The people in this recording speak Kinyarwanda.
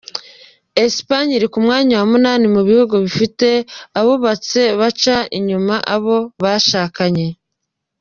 Espanye iri ku mwanya wa munani mu bihugu bifite abubatse baca inyuma abo bashakanye.